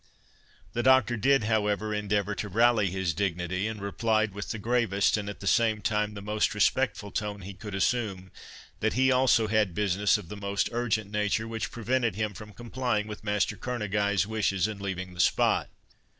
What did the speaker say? The Doctor did, however, endeavour to rally his dignity, and replied, with the gravest, and at the same time the most respectful, tone he could assume, that he also had business of the most urgent nature, which prevented him from complying with Master Kerneguy's wishes and leaving the spot.